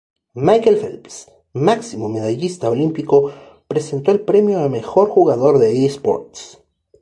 Michael Phelps, máximo medallista olímpico, presentó el premio a mejor jugador de eSports.